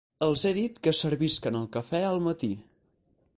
Els he dit que servisquen el café al matí.